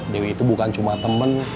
dewi itu bukan cuma temen